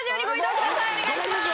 お願いします